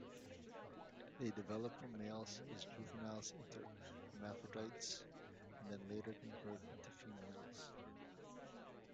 They develop from males as juveniles into hermaphrodites and then later convert into females.